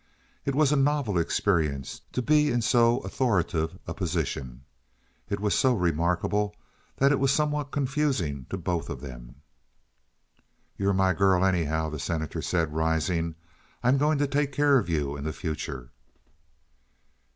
It was a novel experience to be in so authoritative a position. It was so remarkable that it was somewhat confusing to both of them. "You're my girl, anyhow," the Senator said, rising. "I'm going to take care of you in the future."